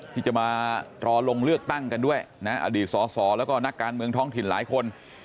ที่จะมารอลงเลือกตั้งกันด้วยนะอดีตสอสอแล้วก็นักการเมืองท้องถิ่นหลายคน